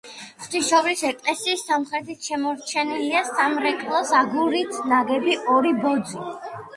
ღვთისმშობლის ეკლესიის სამხრეთით შემორჩენილია სამრეკლოს აგურით ნაგები ორი ბოძი.